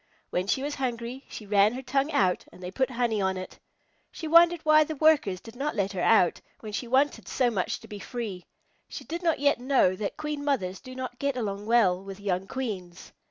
When she was hungry she ran her tongue out and they put honey on it. She wondered why the Workers did not let her out, when she wanted so much to be free. She did not yet know that Queen Mothers do not get along well with young Queens.